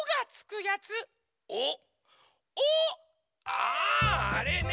ああれね。